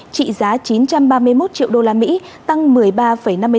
trị giá chín trăm ba mươi một triệu đô la mỹ